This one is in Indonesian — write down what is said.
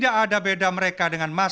kerati kerati o gb